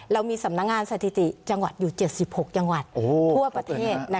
เรามีสำนักงานสถิติจังหวัดอยู่๗๖จังหวัดทั่วประเทศ